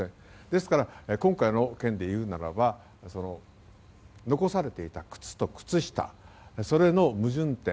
ですから、今回の件でいうならば残されていた靴と靴下それの矛盾点